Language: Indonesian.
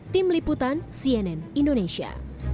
tim liputan cnn indonesia